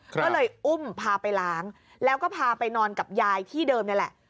ก็เลยอุ้มพาไปล้างแล้วก็พาไปนอนกับยายที่เดิมนี่แหละ